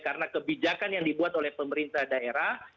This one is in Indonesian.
karena kebijakan yang dibuat oleh pemerintah daerah